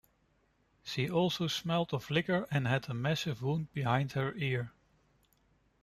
She also smelled of liquor and had a massive wound behind her ear.